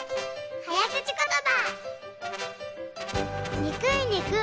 はやくちことば。